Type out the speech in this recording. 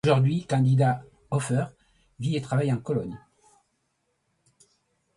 Aujourd'hui, Candida Höfer vit et travaille à Cologne.